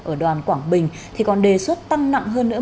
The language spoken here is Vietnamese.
ở đoàn quảng bình thì còn đề xuất tăng nặng hơn nữa